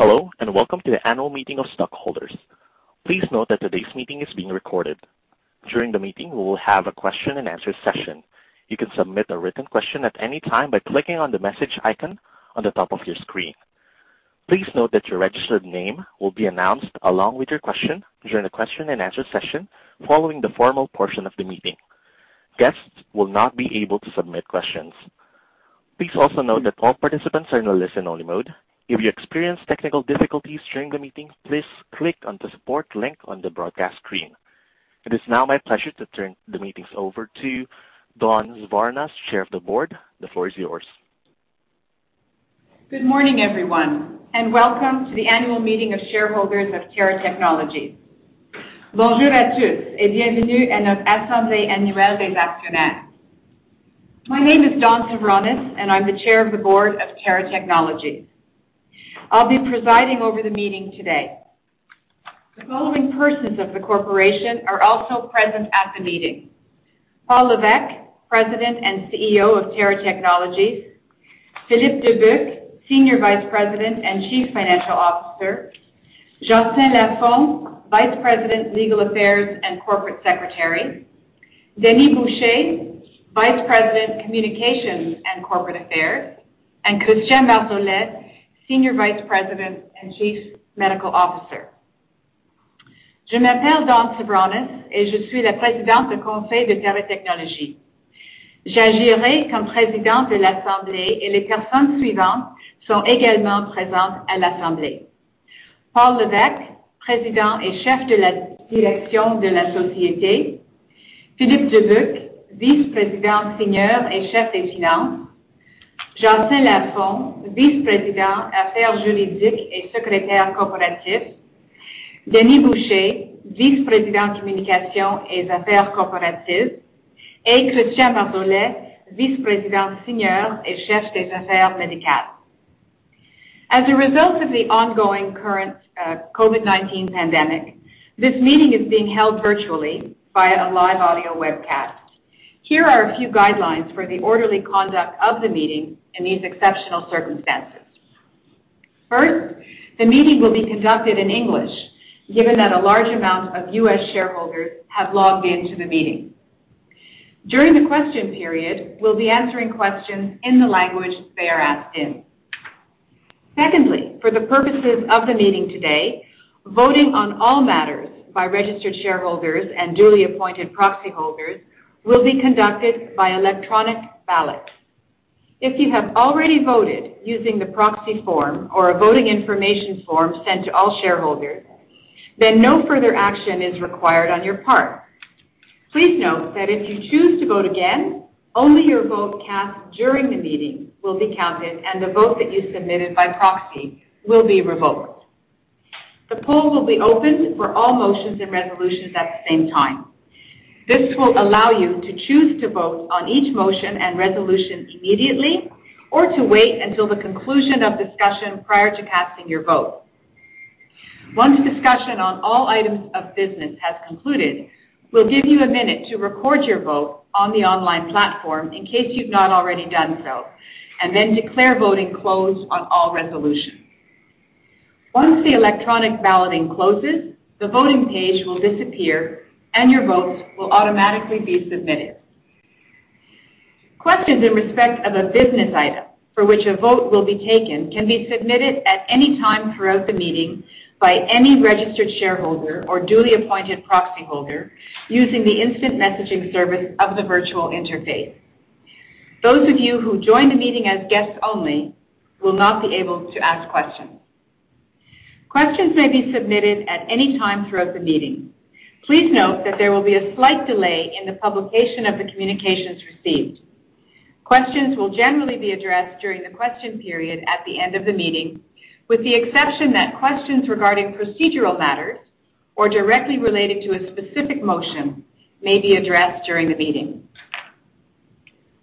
Hello, and welcome to the annual meeting of stockholders. Please note that today's meeting is being recorded. During the meeting, we will have a question and answer session. You can submit a written question at any time by clicking on the message icon on the top of your screen. Please note that your registered name will be announced along with your question during the question and answer session following the formal portion of the meeting. Guests will not be able to submit questions. Please also note that all participants are in a listen-only mode. If you experience technical difficulties during the meeting, please click on the support link on the broadcast screen. It is now my pleasure to turn the meeting over to Dawn Svoronos, Chair of the Board. The floor is yours. Good morning, everyone, and welcome to the annual meeting of shareholders of Theratechnologies. Good morning, everyone, and welcome to the annual meeting of shareholders. My name is Dawn Svoronos, and I'm the Chair of the Board of Theratechnologies. I'll be presiding over the meeting today. The following persons of the corporation are also present at the meeting. Paul Lévesque, President and CEO of Theratechnologies; Philippe Dubuc, Senior Vice President and Chief Financial Officer; Jocelyn Lafond, Vice President, Legal Affairs and Corporate Secretary; Denis Boucher, Vice President, Communications and Corporate Affairs; and Christian Marsolais, Senior Vice President and Chief Medical Officer. My name is Dawn Svoronos, and I'm the Chair of the Board of Theratechnologies. I'll be presiding over the meeting today. The following persons of the corporation are also present at the meeting. Paul Lévesque, President and CEO of Theratechnologies, Philippe Dubuc, Senior Vice President and Chief Financial Officer, Jocelyn Lafond, Vice President, Legal Affairs and Corporate Secretary, Denis Boucher, Vice President, Communications and Corporate Affairs, and Christian Marsolais, Senior Vice President and Chief Medical Officer. As a result of the ongoing current COVID-19 pandemic, this meeting is being held virtually via a live audio webcast. Here are a few guidelines for the orderly conduct of the meeting in these exceptional circumstances. First, the meeting will be conducted in English, given that a large amount of U.S. shareholders have logged into the meeting. During the question period, we'll be answering questions in the language they are asked in. Secondly, for the purposes of the meeting today, voting on all matters by registered shareholders and duly appointed proxy holders will be conducted by electronic ballot. If you have already voted using the proxy form or a voting information form sent to all shareholders, then no further action is required on your part. Please note that if you choose to vote again, only your vote cast during the meeting will be counted and the vote that you submitted by proxy will be revoked. The poll will be open for all motions and resolutions at the same time. This will allow you to choose to vote on each motion and resolution immediately or to wait until the conclusion of discussion prior to casting your vote. Once discussion on all items of business has concluded, we'll give you 1 minute to record your vote on the online platform in case you've not already done so, and then declare voting closed on all resolutions. Once the electronic balloting closes, the voting page will disappear and your votes will automatically be submitted. Questions in respect of a business item for which a vote will be taken can be submitted at any time throughout the meeting by any registered shareholder or duly appointed proxy holder using the instant messaging service of the virtual interface. Those of you who join the meeting as guests only will not be able to ask questions. Questions may be submitted at any time throughout the meeting. Please note that there will be a slight delay in the publication of the communications received. Questions will generally be addressed during the question period at the end of the meeting, with the exception that questions regarding procedural matters or directly related to a specific motion may be addressed during the meeting.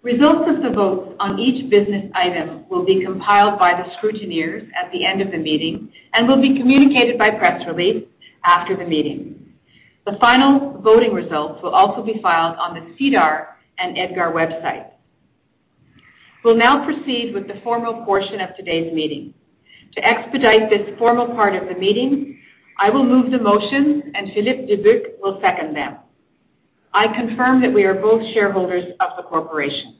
Results of the votes on each business item will be compiled by the scrutineers at the end of the meeting and will be communicated by press release after the meeting. The final voting results will also be filed on the SEDAR and EDGAR website. We'll now proceed with the formal portion of today's meeting. To expedite this formal part of the meeting, I will move the motion and Philippe Dubuc will second them. I confirm that we are both shareholders of the corporation.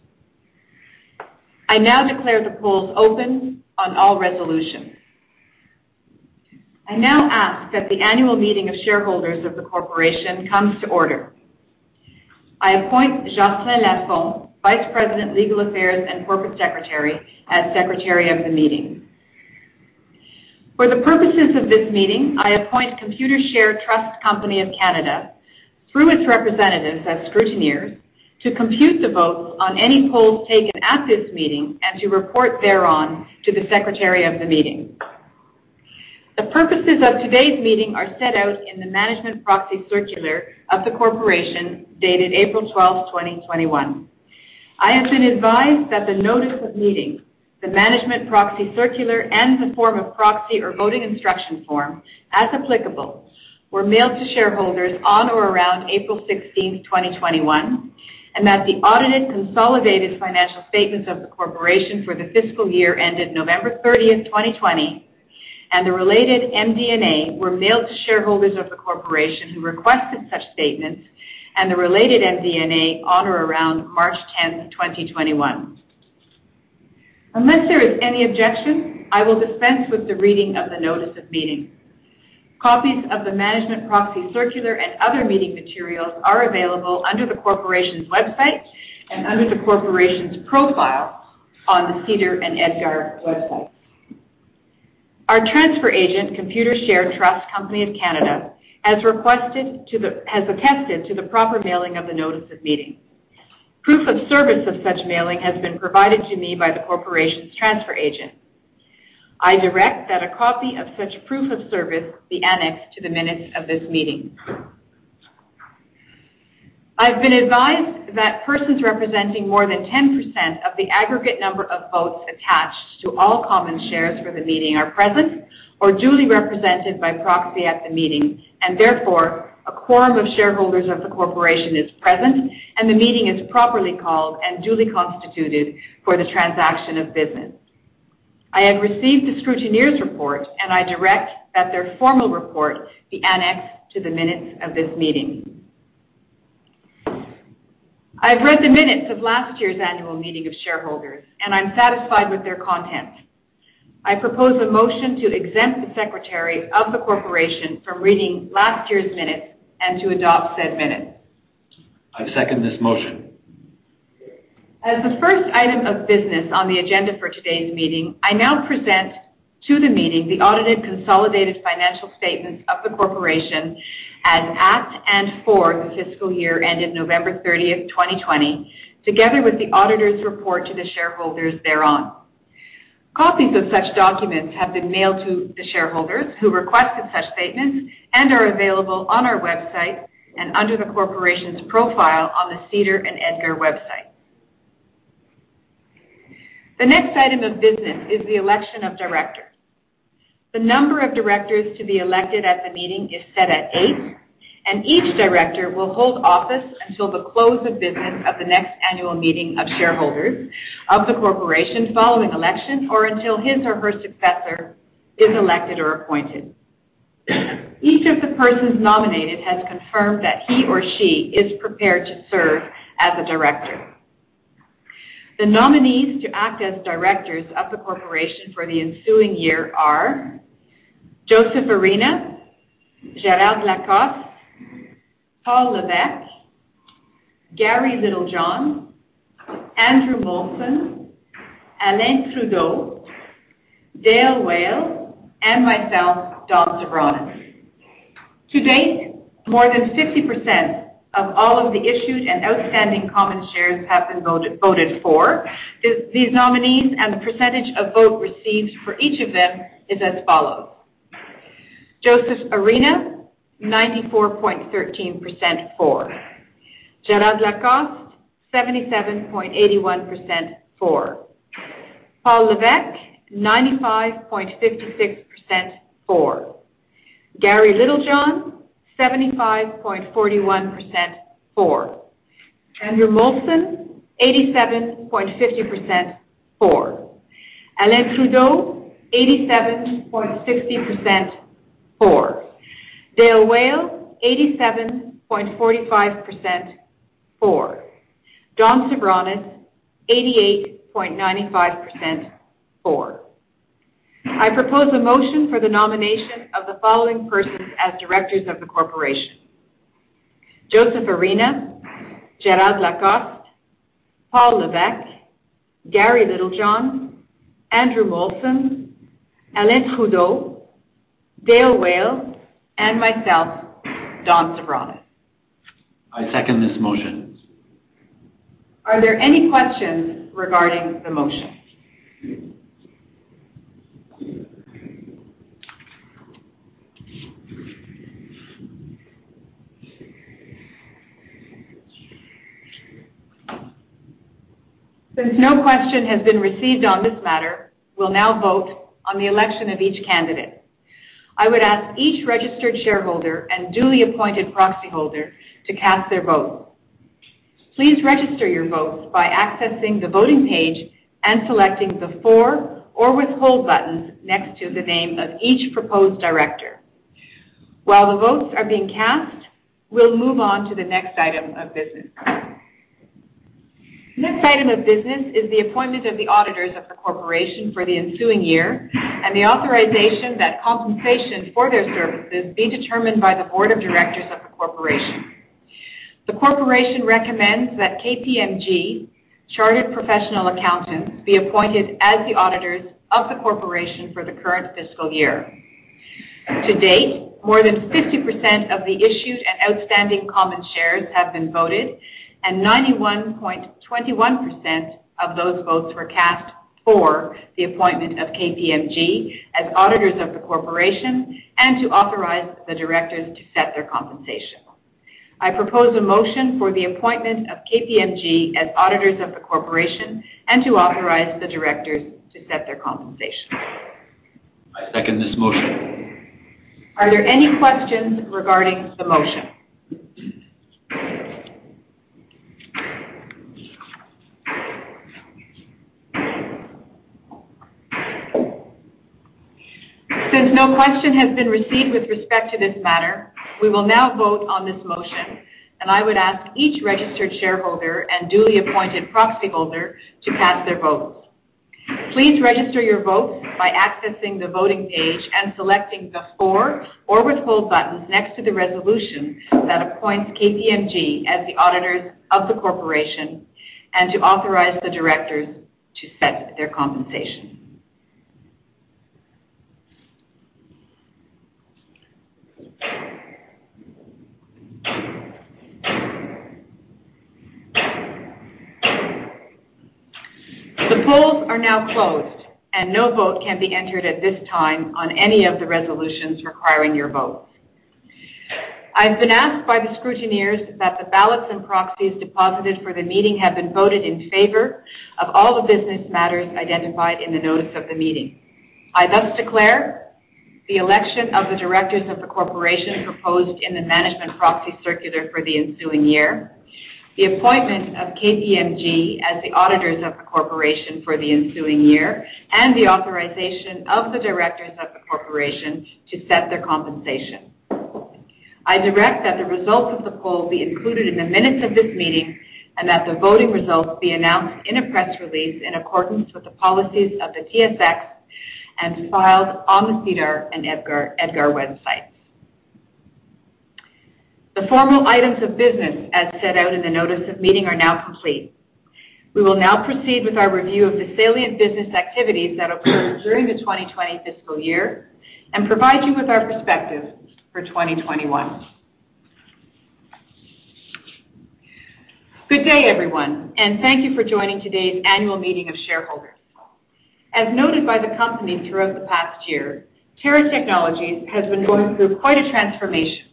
I now declare the polls open on all resolutions. I now ask that the annual meeting of shareholders of the corporation comes to order. I appoint Jocelyn Lafond, Vice President, Legal Affairs and Corporate Secretary, as Secretary of the meeting. For the purposes of this meeting, I appoint Computershare Trust Company of Canada through its representatives as scrutineers to compute the votes on any polls taken at this meeting and to report thereon to the Secretary of the meeting. The purposes of today's meeting are set out in the management proxy circular of the corporation dated April 12, 2021. I have been advised that the notice of meeting, the management proxy circular, and the form of proxy or voting instruction form, as applicable, were mailed to shareholders on or around April 16, 2021. That the audited consolidated financial statements of the corporation for the fiscal year ended November 30, 2020, and the related MD&A were mailed to shareholders of the corporation who requested such statements and the related MD&A on or around March 10, 2021. Unless there is any objection, I will dispense with the reading of the notice of meeting. Copies of the management proxy circular and other meeting materials are available under the corporation's website and under the corporation's profile on the SEDAR and EDGAR websites. Our transfer agent, Computershare Trust Company of Canada, has attested to the proper mailing of the notice of meeting. Proof of service of such mailing has been provided to me by the corporation's transfer agent. I direct that a copy of such proof of service be annexed to the minutes of this meeting. I've been advised that persons representing more than 10% of the aggregate number of votes attached to all common shares for the meeting are present or duly represented by proxy at the meeting, and therefore, a quorum of shareholders of the Corporation is present, and the meeting is properly called and duly constituted for the transaction of business. I have received the scrutineer's report, and I direct that their formal report be annexed to the minutes of this meeting. I've read the minutes of last year's annual meeting of shareholders, and I'm satisfied with their content. I propose a motion to exempt the Secretary of the Corporation from reading last year's minutes and to adopt said minutes. I second this motion. As the first item of business on the agenda for today's meeting, I now present to the meeting the audited consolidated financial statements of the corporation as at and for the fiscal year ended November 30, 2020, together with the auditor's report to the shareholders thereon. Copies of such documents have been mailed to the shareholders who requested such statements and are available on our website and under the corporation's profile on the SEDAR and EDGAR website. The next item of business is the election of directors. The number of directors to be elected at the meeting is set at eight, and each director will hold office until the close of business of the next annual meeting of shareholders of the corporation following election or until his or her successor is elected or appointed. Each of the persons nominated has confirmed that he or she is prepared to serve as a director. The nominees to act as directors of the corporation for the ensuing year are Joseph Arena, Gérald Lacoste, Paul Lévesque, Gary Littlejohn, Andrew Molson, Alain Trudeau, Dale Weil, and myself, Dawn Svoronos. To date, more than 50% of all of the issued and outstanding common shares have been voted for. These nominees and the percentage of vote received for each of them is as follows. Joseph Arena, 94.13% for. Gérald Lacoste, 77.81% for. Paul Lévesque, 95.56% for. Gary Littlejohn, 75.41% for. Andrew Molson, 87.50% for. Alain Trudeau, 87.60% for. Dale Weil, 87.45% for. Dawn Svoronos, 88.95% for. I propose a motion for the nomination of the following persons as directors of the corporation. Joseph Arena, Gérald A. Lacoste, Paul Lévesque, Gary Littlejohn, Andrew Molson, Alain Trudeau, Dale Weil, and myself, Dawn Svoronos. I second this motion. Are there any questions regarding the motion? Since no question has been received on this matter, we'll now vote on the election of each candidate. I would ask each registered shareholder and duly appointed proxyholder to cast their vote. Please register your votes by accessing the voting page and selecting the for or withhold buttons next to the name of each proposed director. While the votes are being cast, we'll move on to the next item of business. The next item of business is the appointment of the auditors of the corporation for the ensuing year and the authorization that compensation for their services be determined by the board of directors of the corporation. The corporation recommends that KPMG Chartered Professional Accountants be appointed as the auditors of the corporation for the current fiscal year. To date, more than 50% of the issued and outstanding common shares have been voted. Ninety-one point 21% of those votes were cast for the appointment of KPMG as auditors of the corporation and to authorize the directors to set their compensation. I propose a motion for the appointment of KPMG as auditors of the corporation and to authorize the directors to set their compensation. I second this motion. Are there any questions regarding the motion? Since no question has been received with respect to this matter, we will now vote on this motion. I would ask each registered shareholder and duly appointed proxyholder to cast their votes. Please register your votes by accessing the voting page and selecting the for or withhold buttons next to the resolution that appoints KPMG as the auditors of the corporation and to authorize the directors to set their compensation. The polls are now closed, and no vote can be entered at this time on any of the resolutions requiring your votes. I've been asked by the scrutineers that the ballots and proxies deposited for the meeting have been voted in favor of all the business matters identified in the notice of the meeting. I thus declare the election of the directors of the corporation proposed in the management proxy circular for the ensuing year, the appointment of KPMG as the auditors of the corporation for the ensuing year, and the authorization of the directors of the corporation to set their compensation. I direct that the results of the poll be included in the minutes of this meeting and that the voting results be announced in a press release in accordance with the policies of the TSX and filed on the SEDAR and EDGAR websites. The formal items of business, as set out in the notice of meeting, are now complete. We will now proceed with our review of the salient business activities that occurred during the 2020 fiscal year and provide you with our perspective for 2021. Good day, everyone, and thank you for joining today's annual meeting of shareholders. As noted by the company throughout the past year, Theratechnologies has been going through quite a transformation.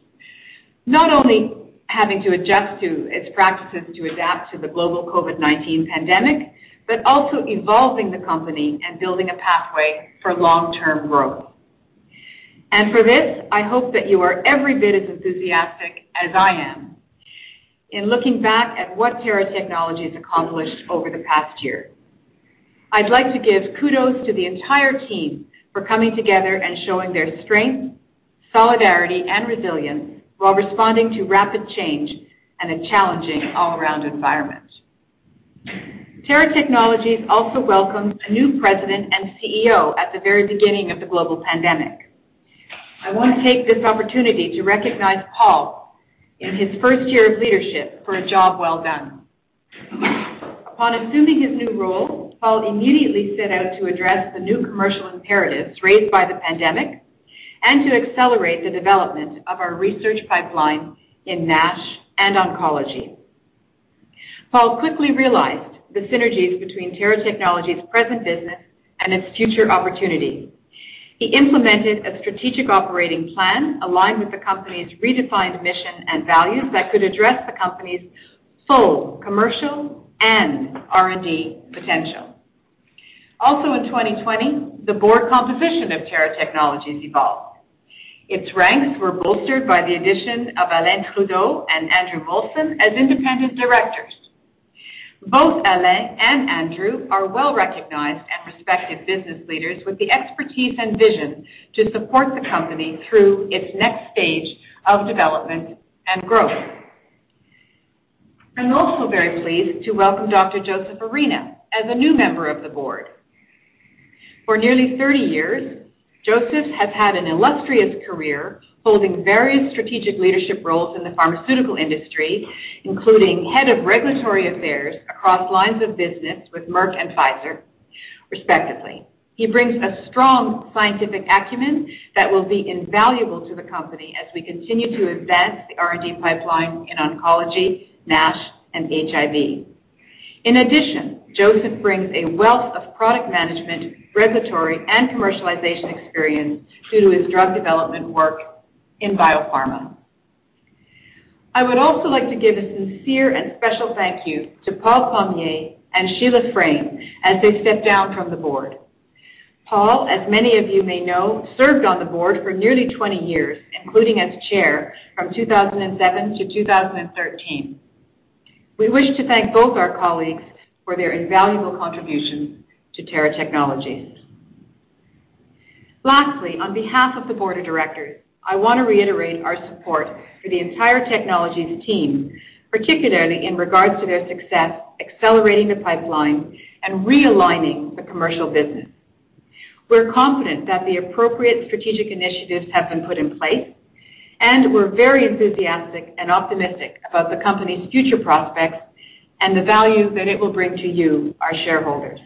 Not only having to adjust to its practices to adapt to the global COVID-19 pandemic, but also evolving the company and building a pathway for long-term growth. For this, I hope that you are every bit as enthusiastic as I am in looking back at what Theratechnologies accomplished over the past year. I'd like to give kudos to the entire team for coming together and showing their strength, solidarity, and resilience while responding to rapid change and a challenging all-around environment. Theratechnologies also welcomed a new President and CEO at the very beginning of the global pandemic. I want to take this opportunity to recognize Paul in his first year of leadership for a job well done. Upon assuming his new role, Paul immediately set out to address the new commercial imperatives raised by the pandemic and to accelerate the development of our research pipeline in NASH and oncology. Paul quickly realized the synergies between Theratechnologies' present business and its future opportunities. He implemented a strategic operating plan aligned with the company's redefined mission and values that could address the company's full commercial and R&D potential. In 2020, the board composition of Theratechnologies evolved. Its ranks were bolstered by the addition of Alain Trudeau and Andrew Molson as independent directors. Both Alain and Andrew are well-recognized and respected business leaders with the expertise and vision to support the company through its next stage of development and growth. I am also very pleased to welcome Dr. Joseph Arena as a new member of the board. For nearly 30 years, Joseph has had an illustrious career holding various strategic leadership roles in the pharmaceutical industry, including head of regulatory affairs across lines of business with Merck and Pfizer, respectively. He brings a strong scientific acumen that will be invaluable to the company as we continue to advance the R&D pipeline in oncology, NASH, and HIV. In addition, Joseph brings a wealth of product management, regulatory, and commercialization experience due to his drug development work in biopharma. I would also like to give a sincere and special thank you to Paul Pommier and Sheila Frame as they step down from the board. Paul, as many of you may know, served on the board for nearly 20 years, including as chair from 2007 to 2013. We wish to thank both our colleagues for their invaluable contributions to Theratechnologies. Lastly, on behalf of the board of directors, I want to reiterate our support for the entire Theratechnologies team, particularly in regards to their success accelerating the pipeline and realigning the commercial business. We're confident that the appropriate strategic initiatives have been put in place, and we're very enthusiastic and optimistic about the company's future prospects and the value that it will bring to you, our shareholders.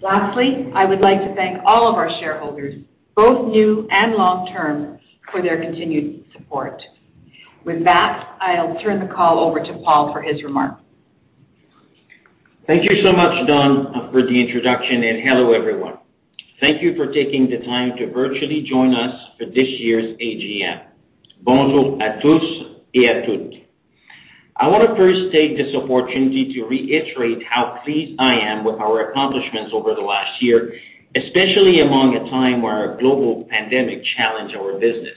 Lastly, I would like to thank all of our shareholders, both new and long-term, for their continued support. With that, I'll turn the call over to Paul for his remarks. Thank you so much, Dawn, for the introduction. Hello, everyone. Thank you for taking the time to virtually join us for this year's AGM. I wanna first take this opportunity to reiterate how pleased I am with our accomplishments over the last year, especially among a time where a global pandemic challenged our business.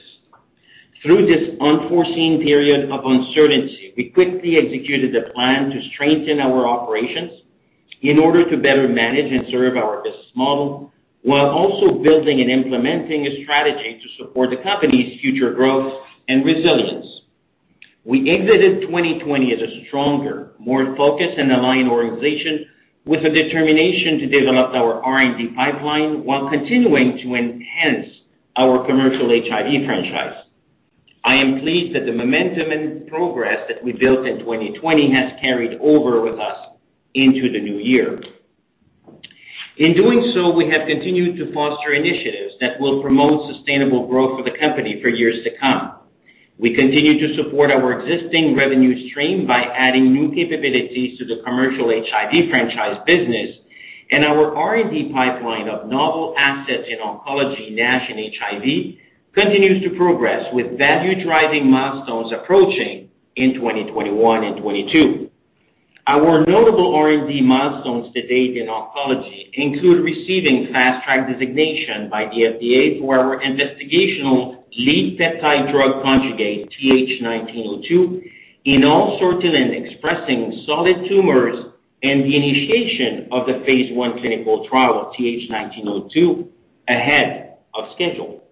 Through this unforeseen period of uncertainty, we quickly executed a plan to strengthen our operations in order to better manage and serve our business model, while also building and implementing a strategy to support the company's future growth and resilience. We exited 2020 as a stronger, more focused and aligned organization with a determination to develop our R&D pipeline while continuing to enhance our commercial HIV franchise. I am pleased that the momentum and progress that we built in 2020 has carried over with us into the new year. In doing so, we have continued to foster initiatives that will promote sustainable growth for the company for years to come. We continue to support our existing revenue stream by adding new capabilities to the commercial HIV franchise business. Our R&D pipeline of novel assets in oncology, NASH, and HIV continues to progress, with value-driving milestones approaching in 2021 and 2022. Our notable R&D milestones to date in oncology include receiving Fast Track designation by the FDA for our investigational lead peptide drug conjugate TH1902 in all sortilin-expressing solid tumors, and the initiation of the phase I clinical trial of TH1902 ahead of schedule.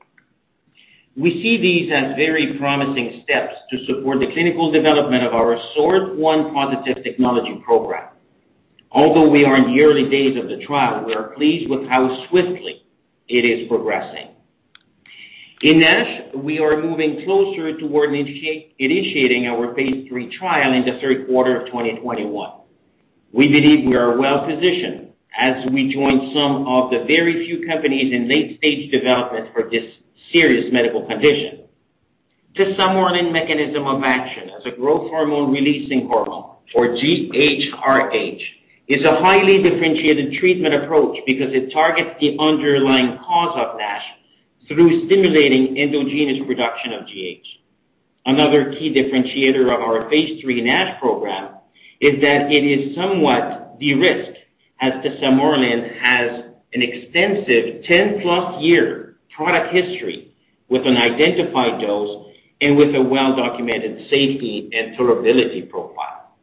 We see these as very promising steps to support the clinical development of our SORT1 positive technology program. Although we are in the early days of the trial, we are pleased with how swiftly it is progressing. In NASH, we are moving closer toward initiating our phase III trial in the third quarter of 2021. We believe we are well-positioned as we join some of the very few companies in late-stage development for this serious medical condition. tesamorelin mechanism of action as a growth hormone-releasing hormone, or GHRH, is a highly differentiated treatment approach because it targets the underlying cause of NASH through stimulating endogenous production of GH. Another key differentiator of our phase III NASH program is that it is somewhat de-risked, as tesamorelin has an extensive 10+ year product history with an identified dose and with a well-documented safety and tolerability profile.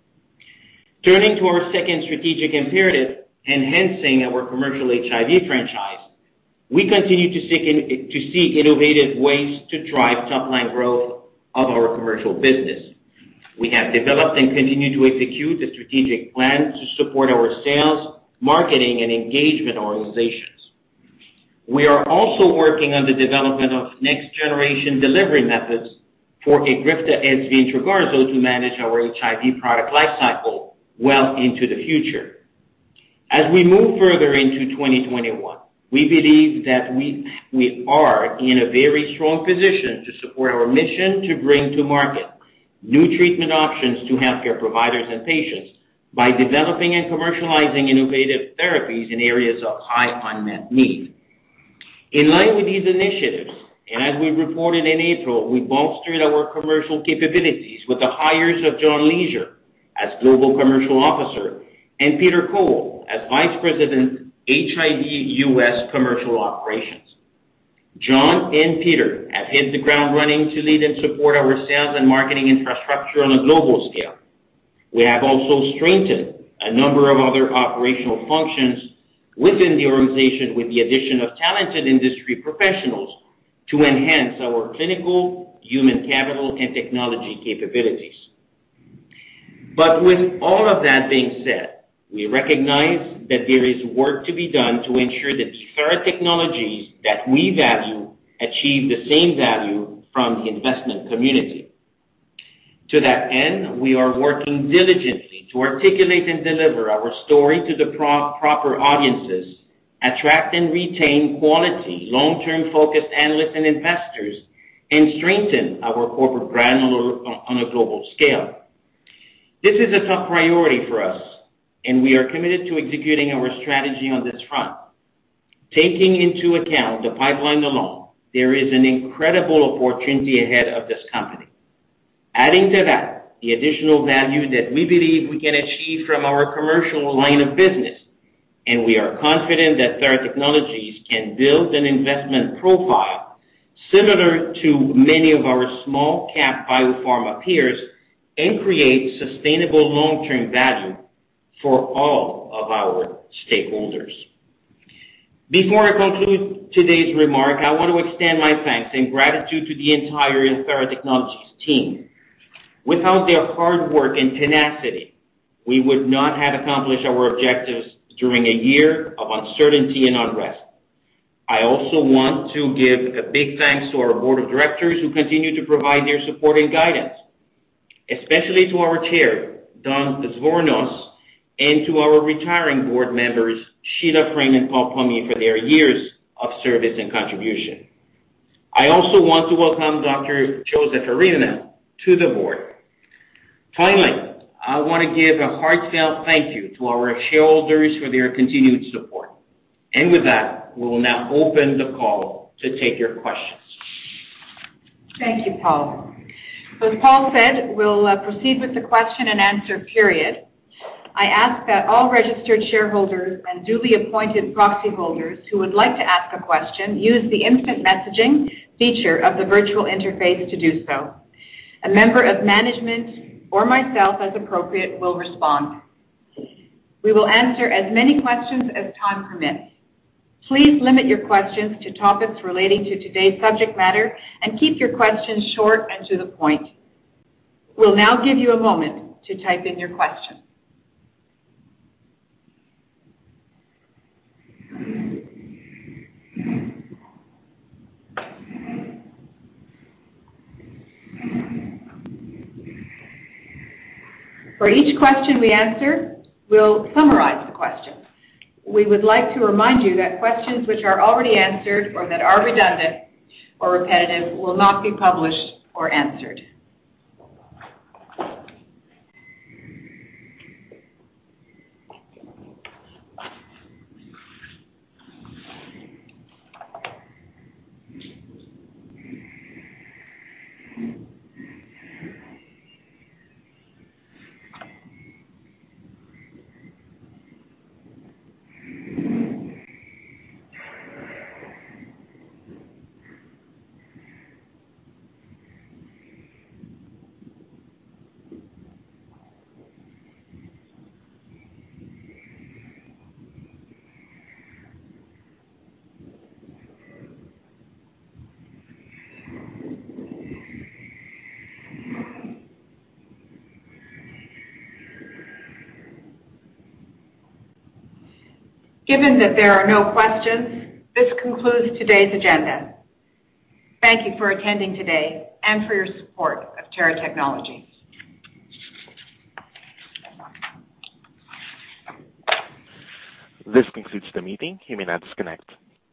Turning to our second strategic imperative, enhancing our commercial HIV franchise, we continue to seek innovative ways to drive top-line growth of our commercial business. We have developed and continue to execute a strategic plan to support our sales, marketing, and engagement organizations. We are also working on the development of next-generation delivery methods for Egrifta and Trogarzo to manage our HIV product life cycle well into the future. As we move further into 2021, we believe that we are in a very strong position to support our mission to bring to market new treatment options to healthcare providers and patients by developing and commercializing innovative therapies in areas of high unmet need. In line with these initiatives, as we reported in April, we bolstered our commercial capabilities with the hires of John Leasure as Global Commercial Officer and Peter Kowal as Vice President, HIV U.S. Commercial Operations. John and Peter have hit the ground running to lead and support our sales and marketing infrastructure on a global scale. We have also strengthened a number of other operational functions within the organization with the addition of talented industry professionals to enhance our clinical, human, capital, and technology capabilities. With all of that being said, we recognize that there is work to be done to ensure that these Theratechnologies that we value achieve the same value from the investment community. To that end, we are working diligently to articulate and deliver our story to the proper audiences, attract and retain quality, long-term-focused analysts and investors, and strengthen our corporate brand on a global scale. This is a top priority for us, and we are committed to executing our strategy on this front. Taking into account the pipeline alone, there is an incredible opportunity ahead of this company. Adding to that the additional value that we believe we can achieve from our commercial line of business. We are confident that Theratechnologies can build an investment profile similar to many of our small cap biopharma peers and create sustainable long-term value for all of our stakeholders. Before I conclude today's remark, I want to extend my thanks and gratitude to the entire Theratechnologies team. Without their hard work and tenacity, we would not have accomplished our objectives during a year of uncertainty and unrest. I also want to give a big thanks to our Board of Directors who continue to provide their support and guidance, especially to our Chair, Dawn Svoronos, and to our retiring board members, Sheila Frame and Paul Pommier, for their years of service and contribution. I also want to welcome Dr. Joseph Arena to the Board. Finally, I wanna give a heartfelt thank you to our shareholders for their continued support. With that, we'll now open the call to take your questions. Thank you, Paul. As Paul said, we'll proceed with the question and answer period. I ask that all registered shareholders and duly appointed proxy holders who would like to ask a question use the instant messaging feature of the virtual interface to do so. A member of management or myself as appropriate will respond. We will answer as many questions as time permits. Please limit your questions to topics relating to today's subject matter and keep your questions short and to the point. We'll now give you a moment to type in your question. For each question we answer, we'll summarize the question. We would like to remind you that questions which are already answered or that are redundant or repetitive will not be published or answered. Given that there are no questions, this concludes today's agenda. Thank you for attending today and for your support of Theratechnologies. This concludes the meeting. You may now disconnect.